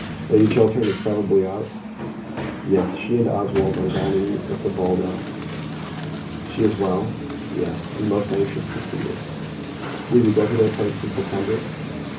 Lady Chiltern is out probably." "Yes; she and Oswald are dining with the Baldocks." "She is well?" "Yes; and most anxious to see you. Will you go to their place in September?"